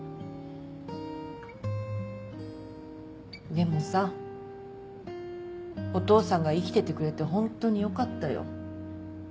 でもさお父さんが生きててくれてホントによかったよ。